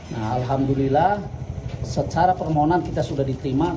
nah alhamdulillah secara permohonan kita sudah diterima